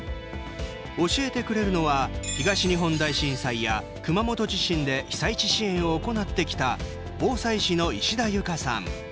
教えてくれるのは東日本大震災や熊本地震で被災地支援を行ってきた防災士の石田有香さん。